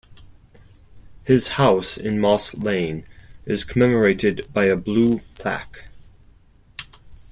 His house in Moss Lane is commemorated by a blue plaque.